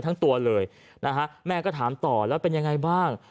นะฮะแม่ก็ถามต่อแล้วเป็นยังไงบ้าง